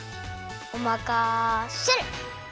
おまかシェル！